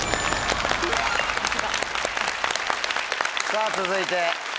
さぁ続いて。